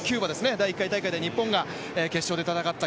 第１回大会で日本が決勝で戦いました。